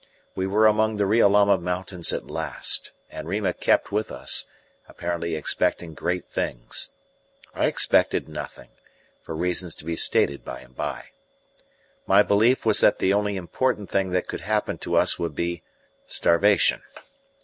We were among the Riolama mountains at last, and Rima kept with us, apparently expecting great things. I expected nothing, for reasons to be stated by and by. My belief was that the only important thing that could happen to us would be starvation.